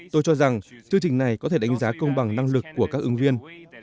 tôi cho rằng chương trình này có thể đánh giá công bằng năng lực của các ứng viên